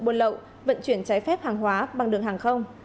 buôn lậu vận chuyển trái phép hàng hóa bằng đường hàng không